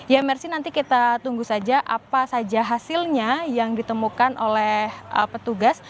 ya mersi nanti kita tunggu saja apa saja hasilnya yang ditemukan oleh petugas